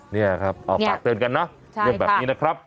นี่ครับฝากเตือนกันนะเรื่องแบบนี้นะครับ